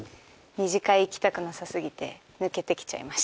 ２次会行きたくなさ過ぎて抜けてきちゃいました。